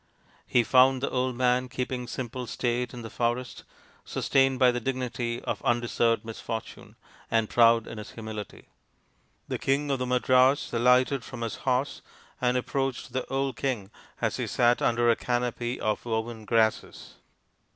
He found the old man keeping simple state in the forest, sustained by the dignity of undeserved misfortune, and proud in his humility. The King of the Madras alighted from his horse and approached the old king as he sat under a canopy of woven grasses.